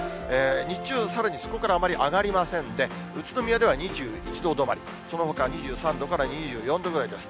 日中さらにそこからあまり上がりませんで、宇都宮では２１度止まり、そのほかは２３度から２４度ぐらいです。